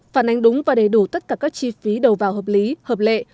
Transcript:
phản ánh đúng và đầy đủ tất cả các chi phí đầu vào hợp lý hợp lệ